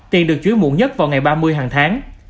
tiền được chuối muộn nhất vào ngày ba mươi hàng tháng